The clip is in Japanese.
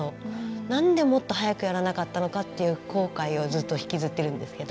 何でもっと早くやらなかったのかっていう後悔をずっと引きずってるんですけど。